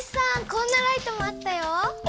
こんなライトもあったよ。